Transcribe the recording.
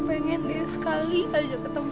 saya ingin sekali saja bertemu dia